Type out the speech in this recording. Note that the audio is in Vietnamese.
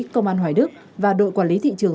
công an hoài đức và đội quản lý thị trường